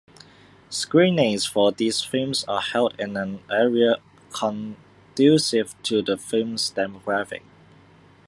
Screenings for these films are held in an area conducive to the film's demographic.